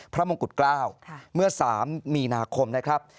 มงกุฎเกล้าเมื่อ๓มีนาคมนะครับ